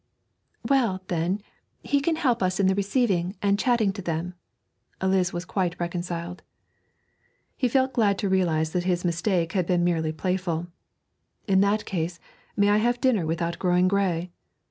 'Well, then, he can help us in the receiving and chatting to them.' Eliz was quite reconciled. He felt glad to realise that his mistake had been merely playful. 'In that case, may I have dinner without growing grey?'